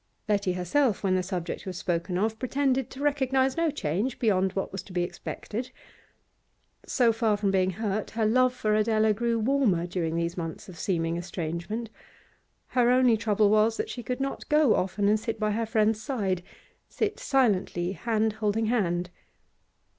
Letty herself, when the subject was spoken of, pretended to recognise no change beyond what was to be expected. So far from being hurt, her love for Adela grew warmer during these months of seeming estrangement; her only trouble was that she could not go often and sit by her friend's side sit silently, hand holding hand.